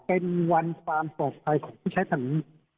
เป็นวันความปลอดภัยของผู้ใช้ถนน